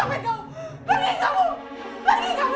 ngapain kamu pergi kamu